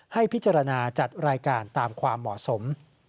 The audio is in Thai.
ให้พิจารณาจัดรายการตามความเหมาะสม